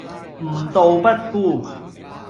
吾道不孤